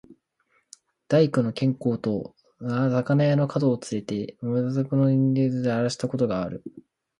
大工の兼公と肴屋の角をつれて、茂作の人参畠をあらした事がある。